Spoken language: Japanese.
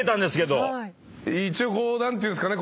一応こう何ていうんですかね。